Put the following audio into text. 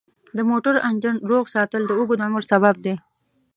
د موټر انجن روغ ساتل د اوږد عمر سبب دی.